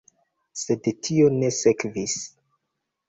Sed tio ne sekvis.